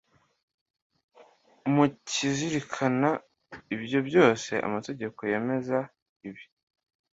mu kuzirikana ibyo byose amategeko yemeza ibi: